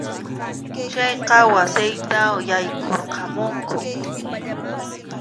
Chayqa wasita yaykurqamunku.